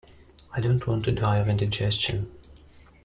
I don't want to die of indigestion.